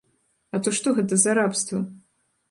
А то што гэта за рабства?!